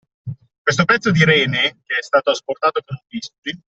Questo pezzo di rene, che è stato asportato con un bisturi